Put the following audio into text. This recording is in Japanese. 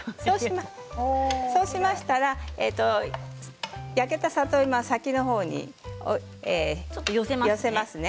そうしましたら焼けた里芋は先の方に寄せますね。